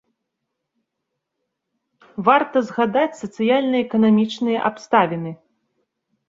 Варта згадаць сацыяльна-эканамічныя абставіны.